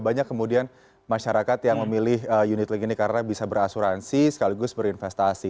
banyak kemudian masyarakat yang memilih unit link ini karena bisa berasuransi sekaligus berinvestasi